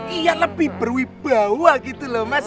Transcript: iya lebih berwibawa gitu loh mas